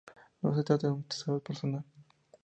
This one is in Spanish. No se trataba de un tesoro personal.